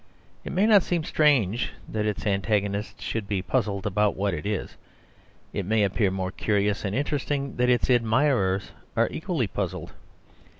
It may not seem strange that its antagonists should be puzzled about what it is. It may appear more curious and interesting that its admirers are equally puzzled.